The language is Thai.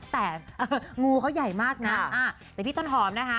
แต่พี่ต้นหอมนะคะ